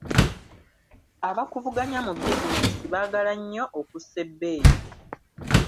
Abakuvuganya mu bizinensi baagala nnyo okussa ebbeeyi.